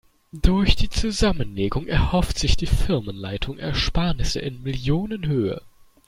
Durch die Zusammenlegung erhofft sich die Firmenleitung Ersparnisse in Millionenhöhe.